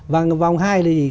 và vòng hai là gì